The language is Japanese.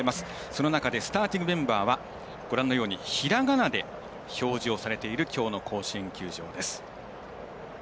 その中でスターティングメンバーひらがなで表示をされているきょうの甲子園球場です。